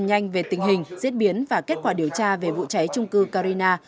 nhanh về tình hình diễn biến và kết quả điều tra về vụ cháy trung cư carina